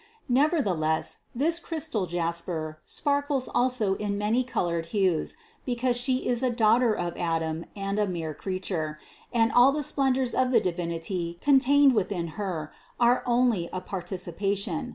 Nevertheless this crystal jasper sparkles also in many colored hues because She is a Daughter of Adam and a mere creature, and all the splendors of the Divinity contained within Her are only a participation.